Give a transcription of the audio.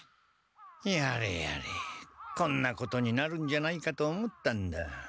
やれやれこんなことになるんじゃないかと思ったんだ。